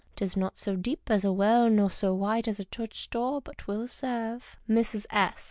'Tis not so deep as a well nor so wide as a church door, but 'twill serve. Mrs. S.